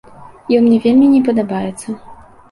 Ён мне вельмі не падабаецца.